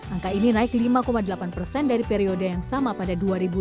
angka ini naik lima delapan persen dari periode yang sama pada dua ribu lima belas